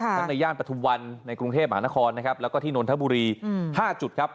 ทั้งในย่านปฐุวัลในกรุงเทพฯหานะครแล้วก็ที่นทบุรีห้าจุดครับ